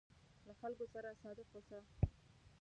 له خلکو سره صادق اوسه.